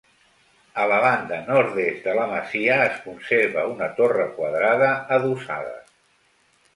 A la banda nord-est de la masia es conserva una torre quadrada adossada.